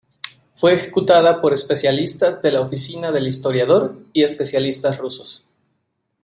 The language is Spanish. Fue ejecutada por especialistas de la Oficina del Historiador y especialistas rusos.